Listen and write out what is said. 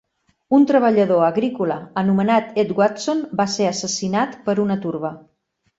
Un treballador agrícola anomenat Edd Watson va ser assassinat per una turba.